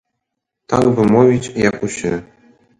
Так бы мовіць, як усе.